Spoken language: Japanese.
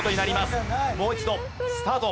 もう一度スタート。